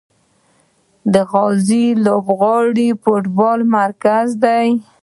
د غازي لوبغالی د فوټبال مرکز دی.